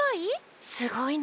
すごい？